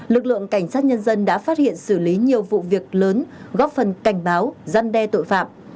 lực lượng cảnh sát nhân dân đã phát hiện xử lý nhiều vụ việc lớn góp phần cảnh báo giăn đe tội phạm